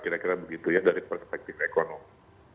kira kira begitu ya dari perspektif ekonomi